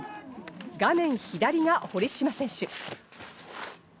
画面左が堀島選手。